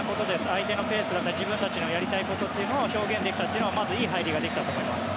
相手のペースだったり自分たちのやりたいことっていうのを表現できたのはまずいい入りができたと思います。